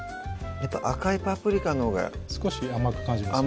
赤いパプリカのほうが少し甘く感じますね